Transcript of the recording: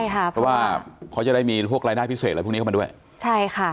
เพราะว่าเขาจะได้มีพวกรายได้พิเศษแล้วพรุ่งนี้เข้ามาด้วย